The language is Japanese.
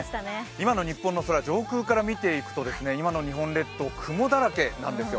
今の日本の空を上空から見ていきますと今の日本列島、雲だらけなんですよ